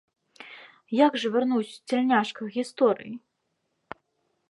Як жа вярнуць цяльняшках гісторыі?